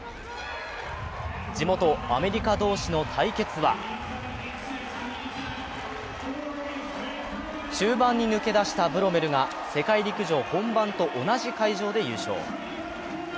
地元アメリカ同士の対決は終盤に抜け出したブロメルが世界陸上本番と同じ会場で優勝。